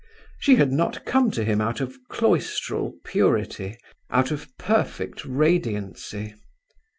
She had not come to him out of cloistral purity, out of perfect radiancy.